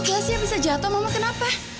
kok gelasnya bisa jatuh mama kenapa